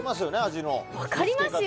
味の分かりますよ！